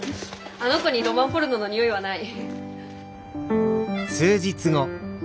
あの子にロマンポルノのにおいはない。